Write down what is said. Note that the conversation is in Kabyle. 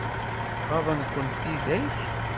Ɣaḍent-kent tidak?